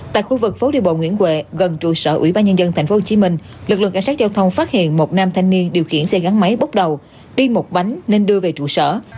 tại khu vực phố đi bộ nguyễn huệ gần trụ sở ủy ban nhân dân tp hcm lực lượng cảnh sát giao thông phát hiện một nam thanh niên điều khiển xe gắn máy bốc đầu đi một bánh nên đưa về trụ sở